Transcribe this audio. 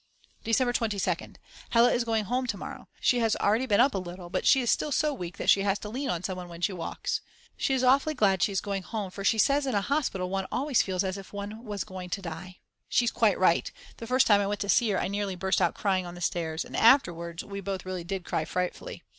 December 22nd. Hella is going home to morrow. She has already been up a little, but she is still so weak that she has to lean on someone when she walks. She is awfully glad she is going home, for she says in a hospital one always feels as if one was going to die. She's quite right. The first time I went to see her I nearly burst out crying on the stairs. And afterwards we both really did cry frightfully.